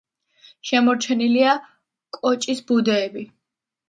შემორჩენილია კოჭის ბუდეები.